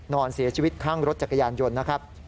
นอนเสียชีวิตข้างรถจักรยานยนต์นะครับ